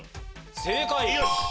正解。